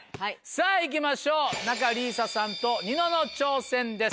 さぁいきましょう仲里依紗さんとニノの挑戦です。